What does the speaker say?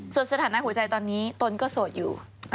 ส่วนสถานะหัวใจตอนนี้ตนก็โสดอยู่